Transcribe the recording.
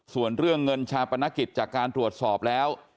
ส่วนเรื่องเงินชาปนกิจจากการตรวจสอบแล้ว